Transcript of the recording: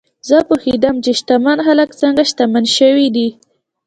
زه پوهېدم چې شتمن خلک څنګه شتمن شوي دي.